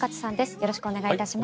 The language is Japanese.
よろしくお願いします。